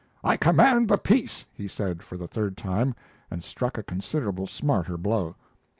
"I command the peace!" he said, for the third time, and struck a considerably smarter blow.